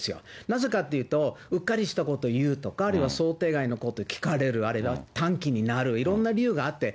なぜかっていうと、うっかりしたこと言うとか、あるいは想定外のことを聞かれる、あるいは短気になる、いろんな理由があって。